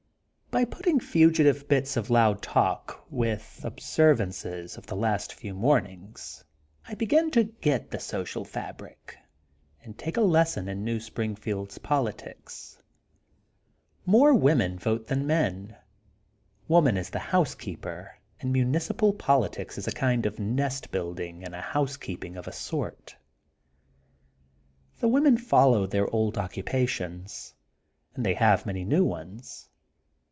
By putting fugitive bits of loud talk with 90 THE GOLDEN BOOK OF SPRINGFIELD 91 observations of the last few mornings^ I begin to get the social f abric, and take a lesson in New Springfield's politics. More women vote than men. Woman is the housekeeper and municipal politics is a kind of nest building and a house keeping of a sort. The women follow their old occupations. And they have many new ones.